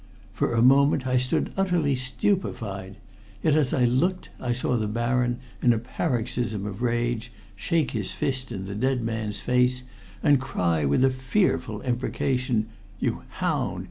For a moment I stood utterly stupefied, yet as I looked I saw the Baron, in a paroxysm of rage, shake his fist in the dead man's face, and cry with a fearful imprecation: 'You hound!